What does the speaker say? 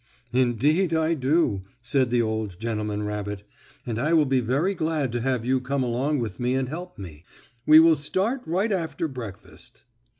"Indeed I do," said the old gentleman rabbit. "And I will be very glad to have you come along with me and help me. We will start right after breakfast."